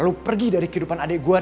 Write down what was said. lu pergi dari kehidupan adik gue